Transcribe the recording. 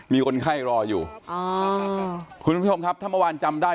มีคนไข้รออยู่อ่าคุณผู้ชมครับถ้าเมื่อวานจำได้